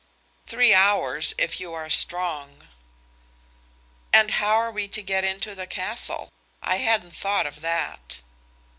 "Three hours, if you are strong." "And how are we to get into the castle? I hadn't thought of that."